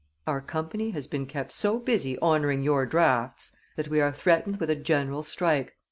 "Our company has been kept so busy honoring your drafts that we are threatened with a general strike.